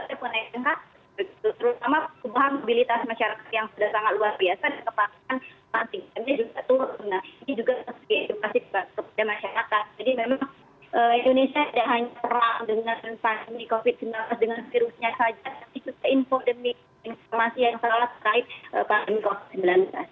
tapi sudah infodemic informasi yang salah terkait pandemi covid sembilan belas